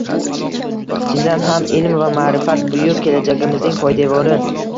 Chindan ham, ilm va maʼrifat buyuk kelajagimizning poydevori.